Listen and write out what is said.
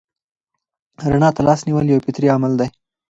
رڼا ته لاس نیول یو فطري عمل دی.